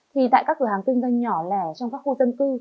thì tại các cửa hàng kinh doanh nhỏ lẻ trong các khu dân cư